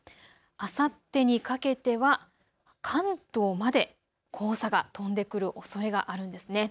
あさってにかけては関東まで黄砂が飛んでくるおそれがあるんですね。